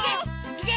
いけ！